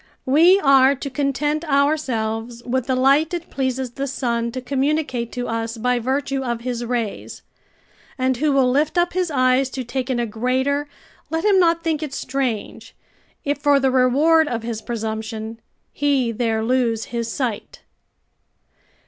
We are to content ourselves with the light it pleases the sun to communicate to us, by virtue of his rays; and who will lift up his eyes to take in a greater, let him not think it strange, if for the reward of his presumption, he there lose his sight.